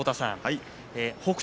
北勝